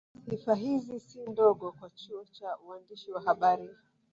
Sifa hizi si ndogo kwa chuo cha uandishi wa habari